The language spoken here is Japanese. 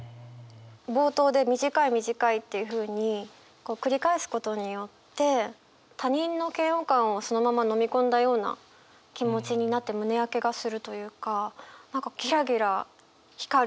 冒頭で「短い短い」っていうふうに繰り返すことによって他人の嫌悪感をそのまま飲み込んだような気持ちになって胸焼けがするというか。